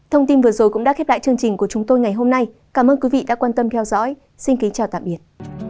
thông tin vừa rồi cũng đã khép lại chương trình của chúng tôi ngày hôm nay cảm ơn quý vị đã quan tâm theo dõi xin kính chào tạm biệt